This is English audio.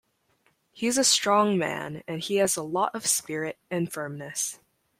He is a strong man, and he has a lot of spirit and firmness.